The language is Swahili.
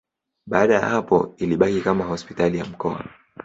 Baada ya hapo ilibaki kama hospitali ya mkoa.